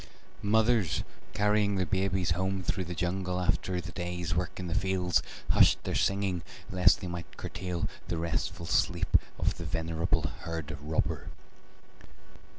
Mothers carrying their babies home through the jungle after the day's work in the fields hushed their singing lest they might curtail the restful sleep of the venerable herd robber.